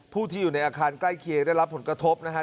ผู้ที่อยู่ในอาคารใกล้เคียงได้รับผลกระทบนะฮะ